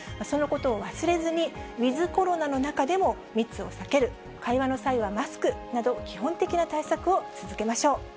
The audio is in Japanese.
そのことを忘れずに、ウィズコロナの中でも、密を避ける、会話の際はマスクなど、基本的な対策を続けましょう。